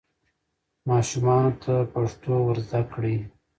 ماشومانو ته پښتو ور زده کړئ.